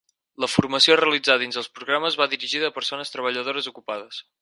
La formació a realitzar dins dels programes va dirigida a persones treballadores ocupades.